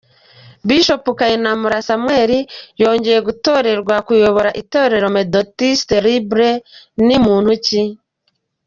Bishop Kayinamura Samuel wongeye gutorerwa kuyobora itorero Methodiste Libre ni muntu ki? .